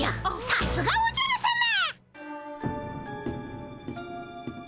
さすがおじゃるさま！